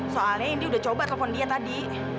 soalnya ini udah coba telepon dia tadi